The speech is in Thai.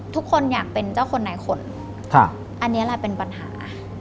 ทุกคนอยากเป็นเจ้าคนไหนขนอันนี้แหละเป็นปัญหา